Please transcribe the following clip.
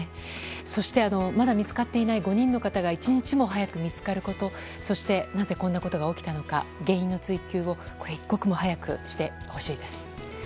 そして、まだ見つかっていない５人の方が一日も早く見つかること、そしてなぜこんなことが起きたのか原因の追求を一刻も早くしてほしいです。